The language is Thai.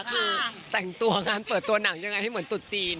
คือแต่งตัวงานเปิดตัวหนังยังไงให้เหมือนตุ๊ดจีน